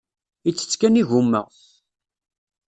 Ittett kan igumma.